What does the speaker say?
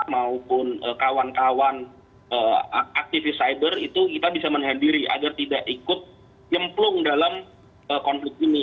maupun kawan kawan aktivis cyber itu kita bisa menghadiri agar tidak ikut nyemplung dalam konflik ini